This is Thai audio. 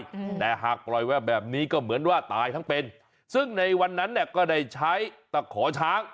อืมแต่หากปล่อยไว้แบบนี้ก็เหมือนว่าตายทั้งเป็นซึ่งในวันนั้นเนี้ยก็ได้ใช้ตะขอช้าง